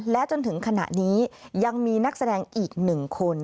และจนถึงขณะนี้ยังมีนักแสดงอีก๑คน